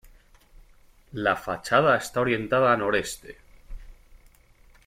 La fachada está orientada a noreste.